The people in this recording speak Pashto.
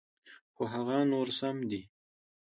خو هغه نور سم دي.